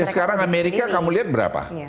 sekarang amerika kamu lihat berapa